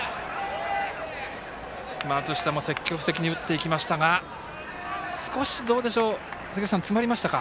松下も積極的に打っていきましたが少し詰まりましたか。